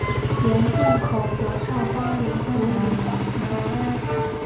原洞口左上方有竹有小亭。